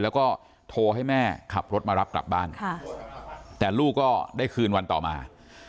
แล้วก็โทรให้แม่ขับรถมารับกลับบ้านแต่ลูกก็ได้คืนวันต่อมา